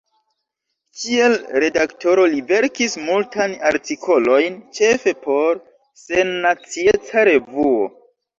Kiel redaktoro li verkis multajn artikolojn ĉefe por “Sennacieca Revuo”.